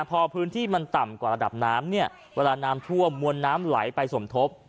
พอพื้นที่มันต่ำกว่าระดับน้ำเนี่ยเวลาน้ำท่วมมวลน้ำไหลไปสมทบ